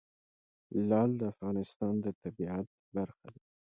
لعل د افغانستان د طبیعت برخه ده.